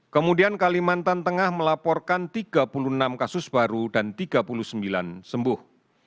kemudian kalimantan tengah melaporkan tiga puluh enam kasus baru dan tiga puluh sembilan sembuh